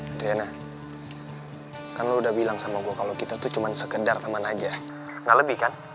adriana kan lo udah bilang sama gue kalau kita tuh cuma sekedar teman aja gak lebih kan